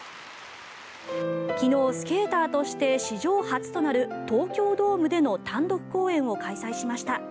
昨日スケーターとして史上初となる東京ドームでの単独公演を開催しました。